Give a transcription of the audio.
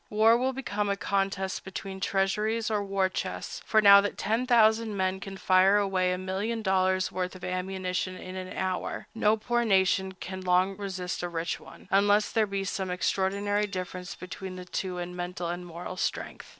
War will become a contest between treasuries or war chests; for now that 10,000 men can fire away a million dollars' worth of ammunition in an hour, no poor nation can long resist a rich one, unless there be some extraordinary difference between the two in mental and moral strength.